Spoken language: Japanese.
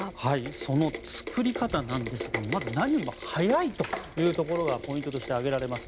その作り方ですがまず、何よりも早いというのがポイントとして挙げられます。